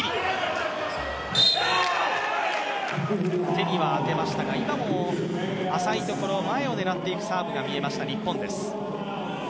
手には当てましたが、今も浅いところ、前を狙っていくサーブが見えました、日本です。